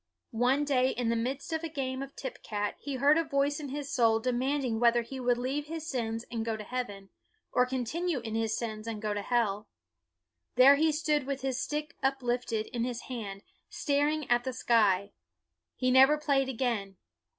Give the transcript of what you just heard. One day in the midst of a game of tip cat, he heard a voice in his soul demanding whether he would leave his sins and go to heaven, or continue in his sins and go to hell. There he stood with his stick uplifted in his hand, staring at the sky. He never played again.